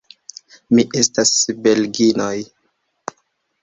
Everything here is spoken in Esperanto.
Mi estas belginoj.